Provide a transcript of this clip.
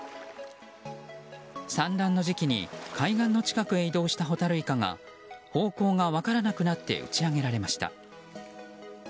産卵の時期に海岸の近くへ移動したホタルイカが方向が分からなくなって打ち揚げられました。